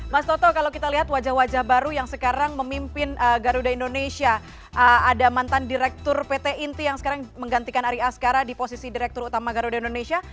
mas toto kalau kita lihat wajah wajah baru yang sekarang memimpin garuda indonesia ada mantan direktur pt inti yang sekarang menggantikan ari askara di posisi direktur utama garuda indonesia